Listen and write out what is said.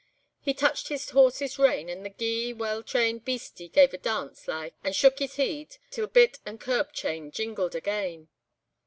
He touched his horse's rein, and the gey, weel trained beastie gave a dance like, and shook his heid, till bit and curb chain jingled again.